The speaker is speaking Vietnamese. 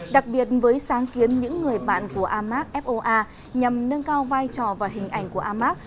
đặc biệt với sáng kiến những người bạn của amac foa nhằm nâng cao vai trò và hình ảnh của amac